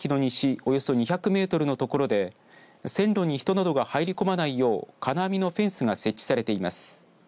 およそ２００メートルの所で線路に人などが入り込まないよう金網のフェンスが設置されています。